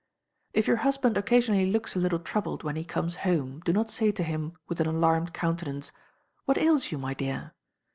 If your husband occasionally looks a little troubled when he comes home, do not say to him, with an alarmed countenance, "What ails you, my dear?"